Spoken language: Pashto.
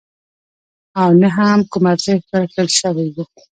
او نه هم کوم ارزښت ورکړل شوی وو.